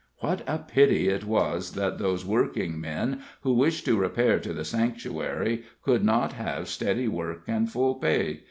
What a pity it was that those working men who wished to repair to the sanctuary could not have steady work and full pay!